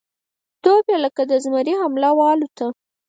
توپ یې لکه د زمري حمله والوته